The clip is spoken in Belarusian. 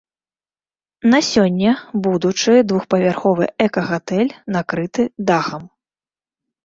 На сёння будучы двухпавярховы эка-гатэль накрыты дахам.